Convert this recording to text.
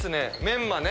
メンマね。